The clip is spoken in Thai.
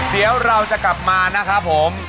เดี๋ยวเราจะกลับมานะครับผม